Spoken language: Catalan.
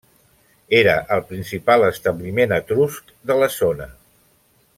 Era el principal establiment etrusc de la zona.